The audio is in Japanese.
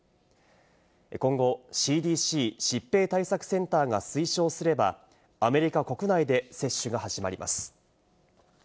今後、ＣＤＣ＝疾病対策センターが推奨すればアメリカ国内で接種が始まります。